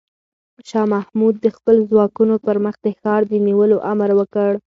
شاه محمود د خپلو ځواکونو پر مخ د ښار د نیولو امر وکړ.